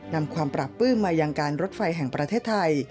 นำความปราบปื้มมายังการรถไฟแห่งประเทศไทย